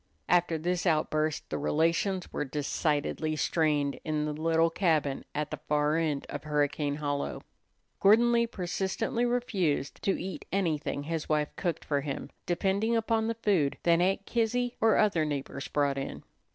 After this outburst the relations were decidedly strained in the little cabin at the far end of Hurricane Hollow. Gordon Lee persistently refused to eat anything his wife cooked for him, depending upon the food that Aunt Kizzy or other neighbors brought in.